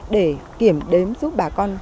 để kiểm đếm giúp bà con